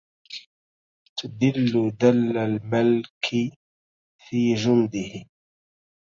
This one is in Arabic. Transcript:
تُدِلُّ دَلَّ المَلكِ في جُندِه